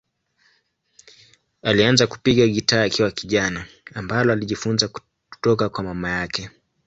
Alianza kupiga gitaa akiwa kijana, ambalo alijifunza kutoka kwa mama yake.